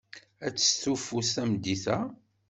Ad testufu tameddit-a?